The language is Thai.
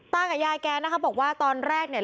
กับยายแกนะคะบอกว่าตอนแรกเนี่ย